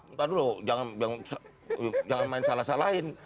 ntar dulu jangan main salah salahin